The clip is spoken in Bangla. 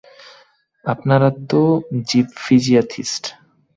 আপনারা তো জিপফিজিয়াথিস্ট।